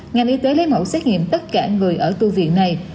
ngành y tế lấy mẫu xét nghiệm tất cả người ở tu viện này